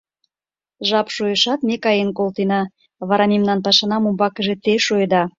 — Жап шуэшат, ме каен колтена, вара мемнан пашанам умбакыже те шуеда.